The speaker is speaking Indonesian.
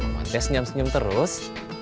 kamu masih senyum senyum terus